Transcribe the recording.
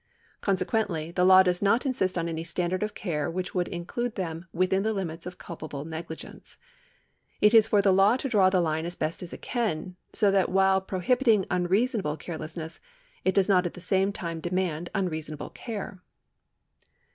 Consequently the law does not insist on any standard of care which would include them within the limits of culpable negligence. It is for the law to draw the line as best it can, so that while pro hibiting unreasonable carelessness, it does not at the same time demand unreasonable care.